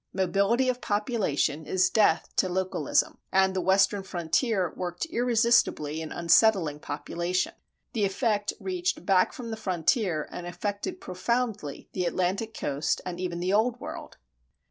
Mobility of population is death to localism, and the western frontier worked irresistibly in unsettling population. The effect reached back from the frontier and affected profoundly the Atlantic coast and even the Old World.